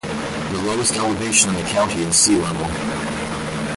The lowest elevation in the county is sea level.